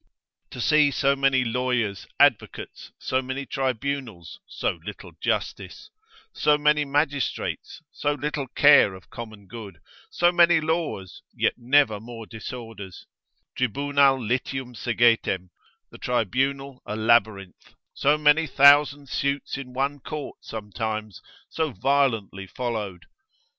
To see so many lawyers, advocates, so many tribunals, so little justice; so many magistrates, so little care of common good; so many laws, yet never more disorders; Tribunal litium segetem, the Tribunal a labyrinth, so many thousand suits in one court sometimes, so violently followed?